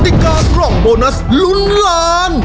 ติกากล่องโบนัสลุ้นล้าน